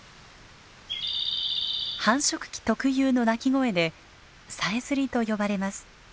繁殖期特有の鳴き声でさえずりと呼ばれます。